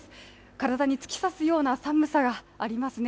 体に突き刺すような寒さがありますね。